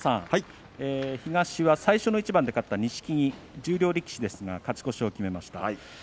東は最初の一番で勝った錦木十両の力士ですが勝ち越しを決めました。